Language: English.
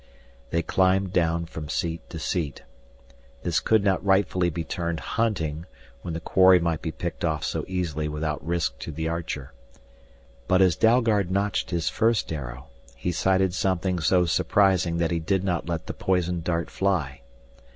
They climbed down from seat to seat. This could not rightfully be termed hunting when the quarry might be picked off so easily without risk to the archer. But as Dalgard notched his first arrow, he sighted something so surprising that he did not let the poisoned dart fly.